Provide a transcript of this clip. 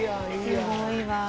すごいわ。